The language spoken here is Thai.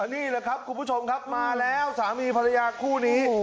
นี่แหละครับคุณผู้ชมครับมาแล้วสามีภรรยาคู่นี้